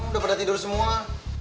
udah pada tidur semua